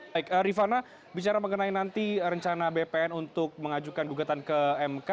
baik rifana bicara mengenai nanti rencana bpn untuk mengajukan gugatan ke mk